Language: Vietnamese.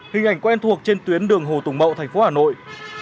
hình ảnh quen thuộc trên tuyến đường hồ tùng mậu thành phố hà nội